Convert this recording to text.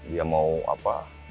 dia mau apa